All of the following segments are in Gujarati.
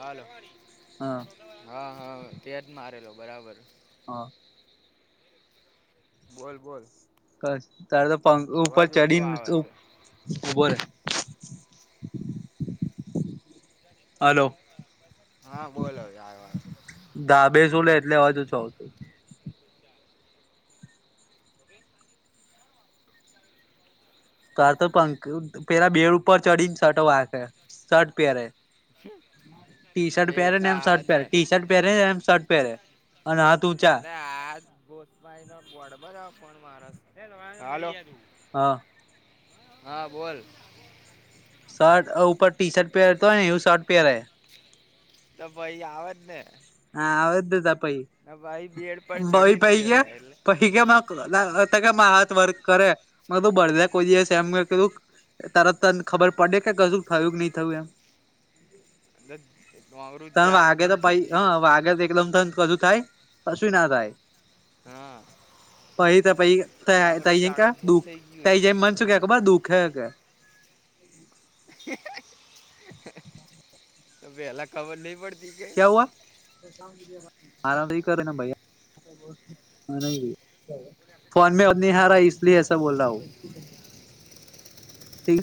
હાલ હા હા હા તેયા જ મારેલો બરાબર હા બોલ બોલ ક તાર તો પંખ ઉપર અવાજ ઓછો ચઢને આવે છે. ઉભો હલો હા બોલો આવ ધા બેસો લે એટલે હો તો છું ઓ [inaudible] તાર તો પંખ પેલા બેડ ઉપર ચડીને શર્ટો વાખે શર્ટ પહેરે ટી શર્ટ એ પહેરે તો ને એમ આવે શર્ટ જ ને પહેરે ટી શર્ટ પહેરે ને એમ શર્ટ પહેરે અને હા તું ચા અ આજ ગોસ્માાઈ ના વોડ બધા ફન મારા હા. હા બોલ. શર્ટ ઉપર ટી શર્ટ પહેરતો હોય ને એવું શર્ટ પહેરાય તો ભાઈ આવે જ ને હા આવદ ત પૈ ના ભાઈ બેડ પણ ચઢીને પેર્યા એટલે ઠી હાથ વર્ક કરે તું ભળલે કોઈ દિવસે એમ તું. તરત તને ખબર પડે કે કશું થયું કે નહી થયું એમ અવરું ઝાડું બૂમ થઈ ગયું હશે એકલમ થ કું થાય કશું ના થાય. હા. પહી ત પ ત વાંગરો જ જાડો ક્યા ગુમ દુખ થઈ ત ગયું જ હશે મન ચુ ક્યા અબર દુખે [unintelligible] [unintelligible] તો પહેલા ખબર નઈ પડતી. કે ક્યા હઆ આરામથી કરે ભાઈ હ ન ભાઈ ફોન મે નની હારા લીય હસ બોલ રહા હું તે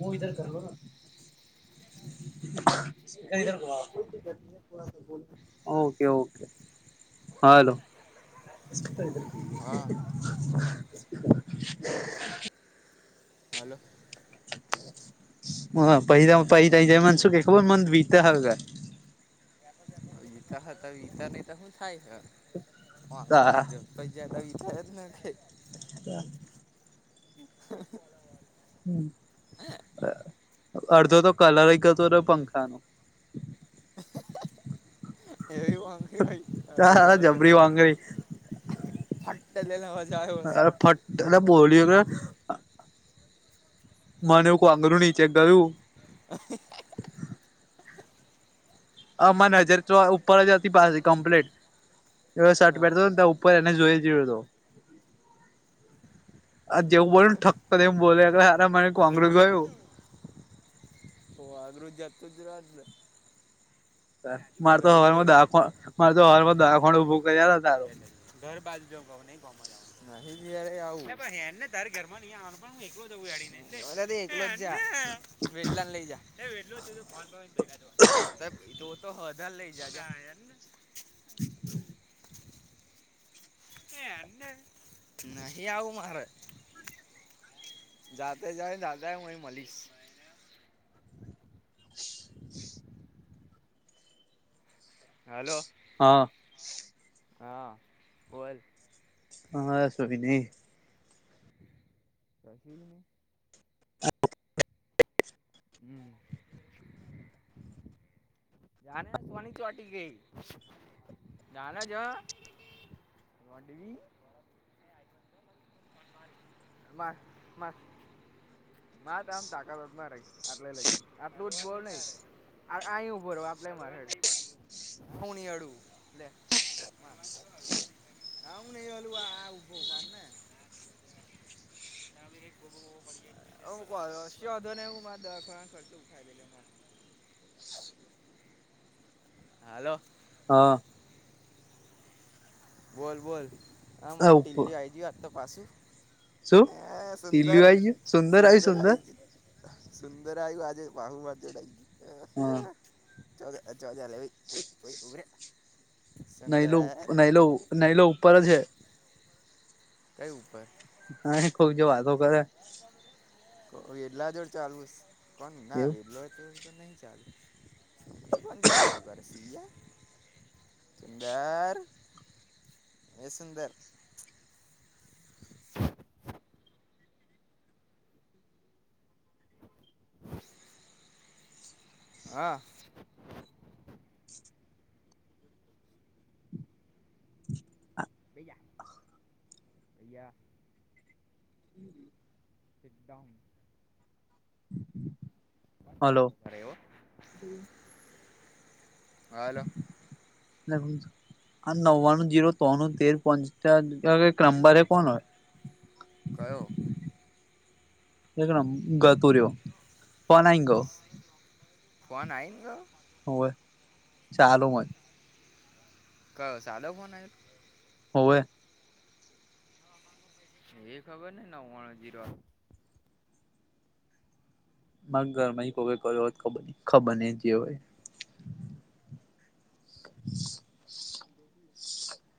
હું ધર કરલો [unintelligible] ઓકે ઓકે એ કે હાલો ના [unintelligible] હાલો. હ પૈ પૈ તહી જ મ શું કે ખબર મન બીતા હ [unintelligible] વિતા હતા વિતા નહતા શું થાય તા છેંગ્રજ પછ જ વિ થાય જ ને કે. [unintelligible] હા. હ અડધો તો કલર કરતો હતો પંખા ન. એવી વામાંગી ભાઈ અડધો તા કલર જબરી કેતો ને વાંગરી હાટ લને મજા આવ હશે. એલે બોલીયો ને. મને એવું આંગરું નીચે ગયું. આમાં નજર તો ઉપર જ હતી પાસે કમ્પ્લીટ સર્ટ હા પહેરતોને ત્યાં. ઉપર એને જોઈ જ્યો હતો. આ જેવું બોલ ને ઠક એમ બોલે હાર મારે કોંગ્રેસ ગયું. તો આૃ જત જ આલે. મારે તો રહી હવારમાં ગયું. દવાખા મારે તો હવારમાં દવાખાનું ઉભું કર્યા તારું ઘર બાજ નહી કોા હેને ત ઘર માં ન ડી એકલો જ વેટલા ને લઈ જા ફ. તો તો હદ લઈ જજ ને ને. [unintelligible] નહી આવું મારે. જાતે જાય જાતા હુંય મળીશ. હાલો. હા. હા બોલ હા સૂરીધે કશું એ નઈ હમ્મ જાને સોની ચોટી ગઈ જાના જ વધવી માં માં માર તો આમ તારા માં તાકાત હોય આટલે લઈ જઇ આટલું જ બોલ નહી અહી ઉભો રઉ આટલે માર હેડ હું નહી અડું લે માર હા હું નઈ હડુ આ ઉભો માર ને તને ગોબો વોબો પડી જાય હો કશો વોધો નઈ હું મારે દવા ખાનનો ખર્ચો ઉઠાવ દે માર હાલો હા બોલ બોલ હા મારે ઉપ દિલ્હી આઈ ગયું પાસુ શું હ સુંદર ટીલું આઈ ગયું સુંદર આઈ સુંદરઈ સુંદર જ સુંદર આયુ આજે ભાડું માર જોડે આઈ હા ગયું [unintelligible] ઉભરે નૈલો સુંદર નહીલો નૈલો ઉપર જ છે કઈ ઉપર હા ખુબ જો વાતો કરે વેલા જોડ ચાલુસ કોણ ના એવું વેલો તો તો નહીં ચાલ તો કો જો વાતો કર સી લા સુંદર એ સુંદર હા ભૈયા ભૈયા [unintelligible] કીપ ડાઉન પાંજ હલો અરે ઓ હાલો નવ્વાણું જીરો ત્રાણું તેર પંચાનુ એક નંબર એ કોણ હોય કયો એકલો ગતુરી્યો કોન આઈ ગયો ફોન આઈ ને ગયો હોવે ચાલો માં જ ક સદી ફોન આયો તો હોવે એ ખબર ને નવાણું જીરો માર ઘર માહી કોકે કર્યો હોય ખબર નહિ ખબર નહિ જે હોય [inaudible] [inaudible]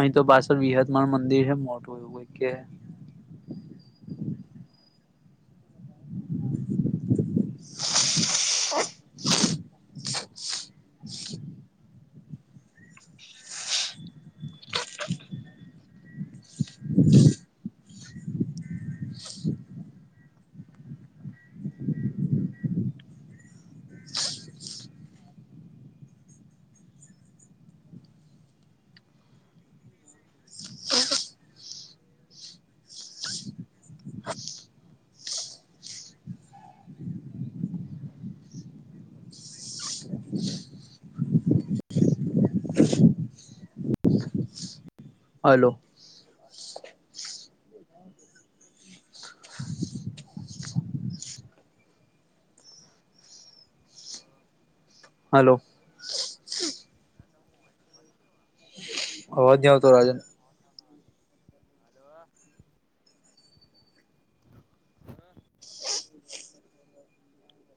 અહીં તો પાછળ વિહતમાન મંદિર હે મોટું [unintelligible] કોઈ કે. હલો. [inaudible] [inaudible] હલો. [inaudible] અવાજ નઈ આવતો રાજન. [inaudible] હલો.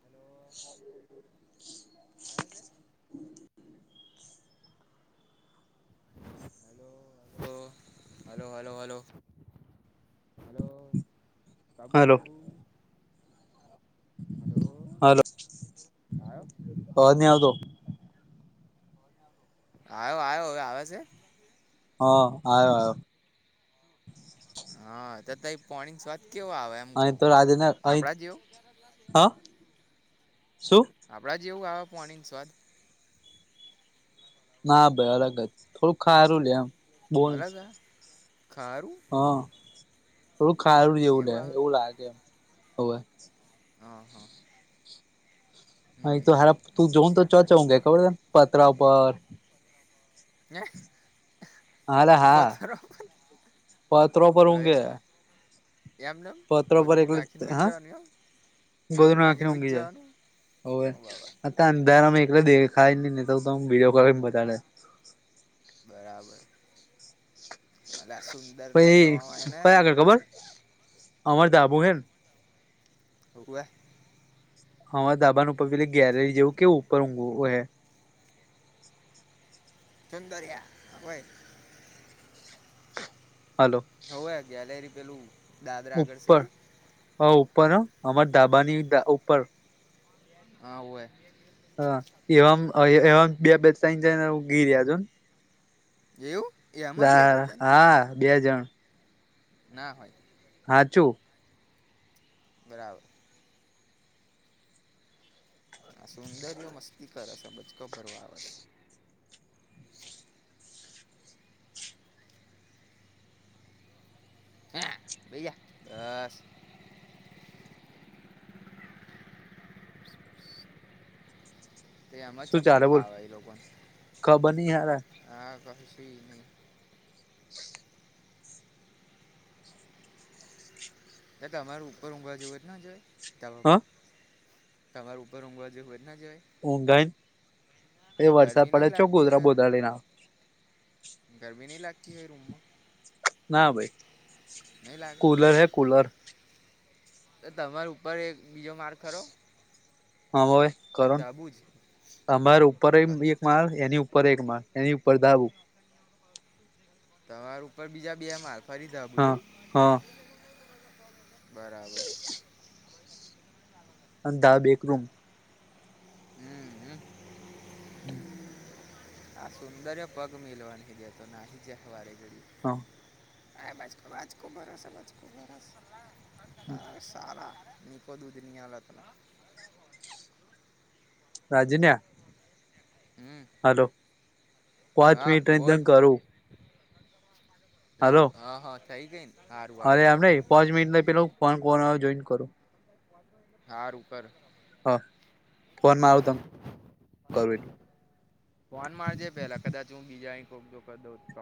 હલો. આવે છે? હલો-હલો-હલો-હલો-હલો. હલો. હલો બાબુ-બાબુ હલો, હલો, હલો હા અવાજ નહીં આવતો. [inaudible] આયો-આયો, હવે આવે સે? હા આયો-આયો. હા તો તેય પોણી સ્વાદન કેવો આવે એમ. અહીં કહું તો રાજના અહીં, આપડા જેવો હા? શું? આપણા જેવું આવે પોણીન સ્વાદ? ના ભાઈ અલગ જ, થોડુંક ખારું લે એમ. બોલ અલગ આએ ખારું? હા, થોડું ખારું જેવું લે, એવું લાગે, હવે. હા, હા. અહીં હમ તો હમ હારા તું જોઉ [unintelligible] પતરા ઉપર. [inaudible] હારે હા, પથરો પત્રો પર હવે હુંઘે. એમનેમ? ગોદરૂ નાખીન હુઈ જાવાનું એમ? ગોદરુ ગોદરું નાખીન નાખીને હુઈ ઊંઘી જવાનું જાય, ઓ બાબા [unintelligible] તા અંદર અમે એક તો દેખાય નહીં તો હું વિડીયો કોલ કરી બતાડત. બરાબર. એટલે આ સુંદર ના પહી કહેવામાંયને. કયા આગળ ખબર અમાર ધાબુ હેન [inaudible] હમાર ધાબા ઉપર પેલી ગેલેરી જેવું કેવું ઉપર [unintelligible] હે સુંદર્ય હોય. હલો. કોએ ગેલેરી પેલું દાદરા આગળ છે ઉપર, એ હા ઉપર હ, અમાર ધાબાની ઉપર. હા હોવે. હા, એવામ-એવામ બે-બે તઈન જના ઊંઘી રહ્યા જો ને. એવું? એમાં બી હવે [unintelligible] હા બે જણ. ના હોય. હાચું. બરાબર. આ સુંદર્યો મસ્તી કરેશે, બચકો ભરવા આવેસ. હે ભૈયા બસ તો એમાં શું ચપનુંું ચાલે બોલ ફાવે એ લોકોને ખબર નઈ હારા હા કશું નહી એ તમારે ઉપર ઊંઘા જવ જ જો તબ હ પર તમાાર ઉભા રંગવા જે જ હોવેર ના જવએ ઊંઘાઈ એ વરસાદ ગરમી નહીં પડે ચો લાગતી હોય ગોધરા યાર ગોધરા લ ના ગરમી નહી લાગતી હોય રૂમમાં ના ભાઈ નહીં લાગે કૂલર હૈ કૂલર તો તમાર ઉપર એક બીજો માર્ગ ખરો હા ભવે કે કરણ ધાબુ જ અમારે ઉપર એક માળ એની ઉપર એક માળ એની ઉપર ધાબૂ થ [inaudible] [unintelligible] તમાર ઉપર બીજા બે માર ફરીદા હું હા એવું. હા બરાબર. અંધા બેકરૂમ હમ હમ. હમ આ સુંદર્ પગ મેલવાન નથી દેતો ના જહે વારેગડી. હા અ બાજકો આજકો ભરોસ બાજકો ભરોસો હ સારા નીકો દૂધનીયળ અથલા રાજ્યના હમ પાંચ હા મિનિટ તને બોલ કરું હાલો લવ હા હા થઈ ગઈ ને. સારું અરે સારું એમ સારું પાંચ મિનિટ પેલુ કોઈ ફોન જોઇને કરું હ ઉપર હ ફોન મા આવુ તમને કરૂ એટલે. ફોન મારજે પેલા કદાચ હું બીજા કોઈ જો દો તો